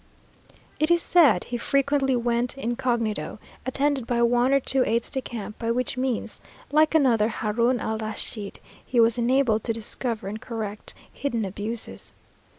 It is said he frequently went about incog., attended by one or two aides de camp, by which means, like another Haroun Al Raschid, he was enabled to discover and correct hidden abuses.